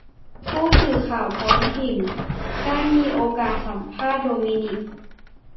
ผู้สื่อข่าวท้องถิ่นได้มีโอกาสสัมภาษณ์โดมินิก